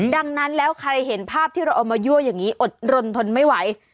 ดังนั้นแล้วใครเห็นภาพที่เราเอามายั่วอย่างนี้อดรนทนไม่ไหว